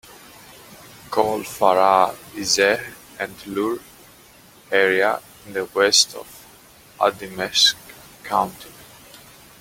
Cole Farah Izeh and Lure area in the west of Andimeshk County.